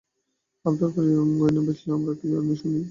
আবদার করিয়া বলে, গয়না বেচলে আমার, কী আনলে শুনি আমার জন্যে?